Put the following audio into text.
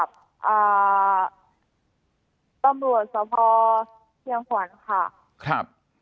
จ่ะพยายามให้ขวังค่ะ